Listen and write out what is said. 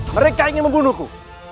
mereka ingin membunuhku